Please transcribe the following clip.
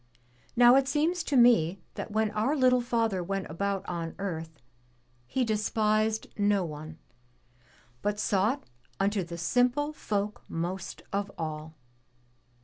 Now it seems to me that when our little Father went about on earth. He despised no one, but sought unto the simple folk most of all.